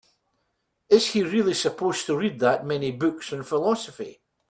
Is he really supposed to read that many books on philosophy?